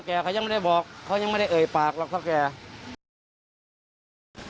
ไม่ไม่ท่าแกยังไม่ได้บอกเขายังไม่ได้เอยปากหรอกท่าแกย